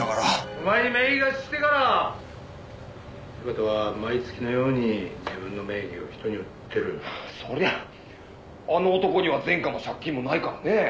「お前に名義貸ししてから柴田は毎月のように自分の名義を人に売ってる」「そりゃあの男には前科も借金もないからね」